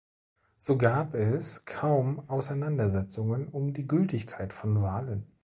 So gab es kaum Auseinandersetzungen um die Gültigkeit von Wahlen.